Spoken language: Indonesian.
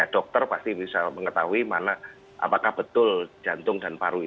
dokter pasti bisa mengetahui mana apakah betul jantung dan paru